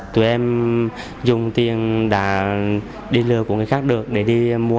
tụi em dùng tiền đã đi lừa của người khác được để đi mua